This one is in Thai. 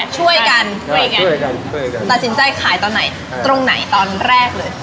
ช่วยกันตัดสินใจขายตอนไหนตรงไหนตอนแรกเลย